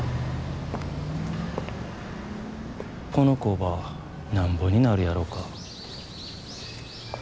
この工場なんぼになるやろか。